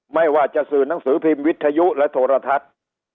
ไม่ว่าจะสื่อหนังสือพิมพ์วิทยุและโทรทัศน์